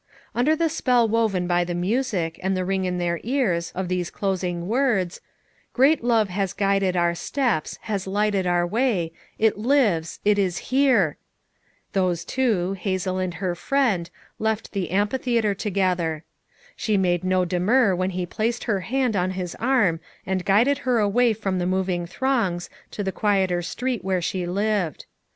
Under the spell woven by the music and the ring in their ears of those closing words: "Great Love has guided our steps, has lighted our way,— . It lives! it is HERE!" FOUR MOTHERS AT CHAUTAUQUA 181 Those two, Hazel and her "friend," left the amphitheater together. She made no demur when he placed her hand on his arm and guided her away from the moving throngs to the quieter street where she lived.